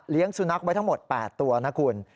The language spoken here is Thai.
สุนัขไว้ทั้งหมด๘ตัวนะคุณ